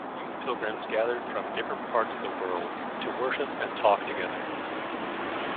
Youth pilgrims gathered from different parts of the world to worship and talk together.